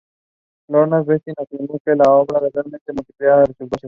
Leonard Bernstein afirmó que la obra era realmente multirracial en sus bases.